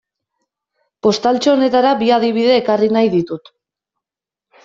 Postaltxo honetara bi adibide ekarri nahi ditut.